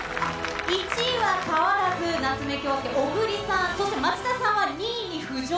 １位は変わらず夏目恭輔、小栗さん、そして町田さんは２位に浮上。